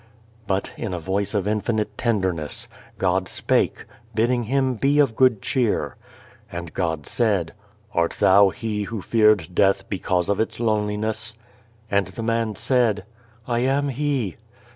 But in a voice of infinite tenderness, God spake, bidding him be of good cheer. 230 The Lonely God And God said: "Art thou he who feared death because of its loneliness ?" And the man said :" I am he."